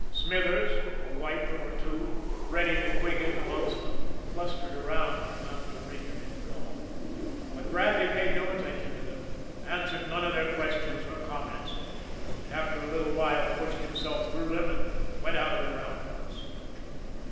Smithers, a wiper or two, Reddy MacQuigan amongst them, clustered around him after Regan had gone; but Bradley paid no attention to them, answered none of their questions or comments; and after a little while pushed himself through them and went out of the roundhouse.